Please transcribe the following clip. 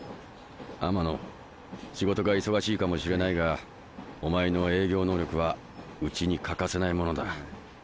天野仕事が忙しいかもしれないがお前の営業能力はうちに欠かせないものだ。